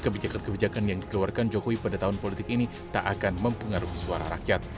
kebijakan kebijakan yang dikeluarkan jokowi pada tahun politik ini tak akan mempengaruhi suara rakyat